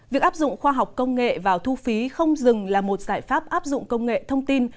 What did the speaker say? việc áp dụng khoa học công nghệ vào thu phí không dừng là một giải pháp áp dụng công nghệ thông tin